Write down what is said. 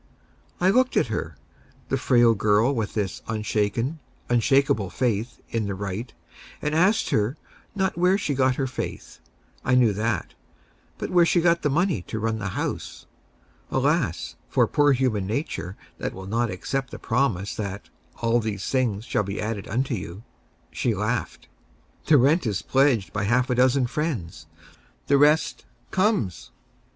I looked at her, the frail girl with this unshaken, unshakable faith in the right, and asked her, not where she got her faith I knew that but where she got the money to run the house. Alas, for poor human nature that will not accept the promise that "all these things shall be added unto you!" She laughed. "The rent is pledged by half a dozen friends. The rest comes."